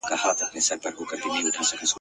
ما لیدله د کور ټوله شیان په سترګو ..